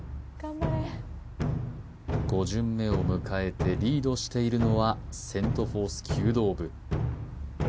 ５巡目を迎えてリードしているのはセント・フォース弓道部